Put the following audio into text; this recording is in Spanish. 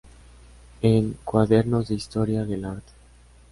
En: "Cuadernos de Historia del Arte".